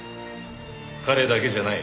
彼だけじゃない。